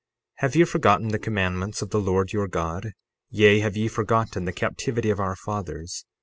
60:20 Have ye forgotten the commandments of the Lord your God? Yea, have ye forgotten the captivity of our fathers?